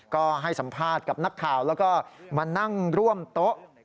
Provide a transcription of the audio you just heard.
ก็ให้สัมภาษณ์กับนักข่าวแล้วก็มานั่งร่วมโต๊ะ